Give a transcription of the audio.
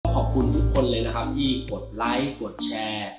ขอบคุณทุกคนเลยที่กดไลค์กดแชร์